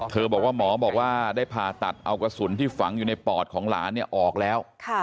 บอกว่าหมอบอกว่าได้ผ่าตัดเอากระสุนที่ฝังอยู่ในปอดของหลานเนี่ยออกแล้ว